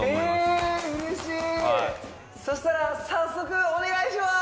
はいそしたら早速お願いします